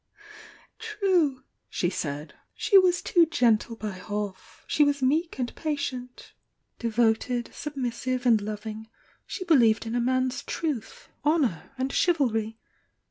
"True!" she said. "She was too gentle by half! She was meek and patient — devoted, submissive and loving— die believed in a man's truth, honour and chiva, lry